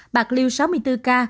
bạc liêu sáu mươi bốn ca